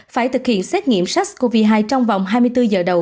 phải thực hiện xét nghiệm sars cov hai trong vòng hai mươi bốn giờ đầu